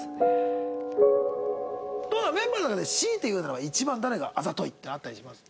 メンバーの中で強いて言うならば一番誰があざといっていうのあったりします？